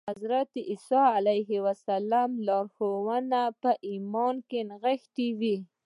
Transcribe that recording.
د حضرت عيسی عليه السلام لارښوونې په ايمان کې نغښتې وې.